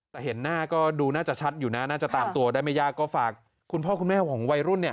แต่เห็นหน้าก็ดูน่าจะชัดอยู่นะน่าจะตามตัวได้ไม่ยากก็ฝากคุณพ่อคุณแม่ของวัยรุ่นเนี่ย